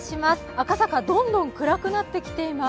赤坂、どんどん暗くなってきています。